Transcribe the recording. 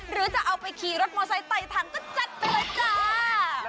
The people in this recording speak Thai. หรือจะเอาไปขี่รถมอเตอร์ไซค์ไต่ถังก็จัดกันเลยจ๊ะ